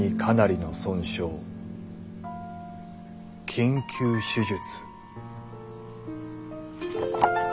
「緊急手術」。